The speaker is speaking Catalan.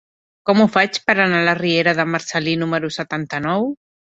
Com ho faig per anar a la riera de Marcel·lí número setanta-nou?